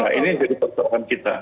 nah ini jadi pertanyaan kita